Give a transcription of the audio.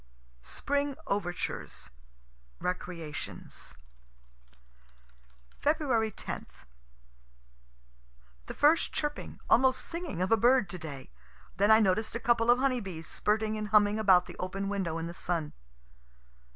SPRING OVERTURES RECREATIONS Feb. 10. The first chirping, almost singing, of a bird to day. Then I noticed a couple of honey bees spirting and humming about the open window in the sun.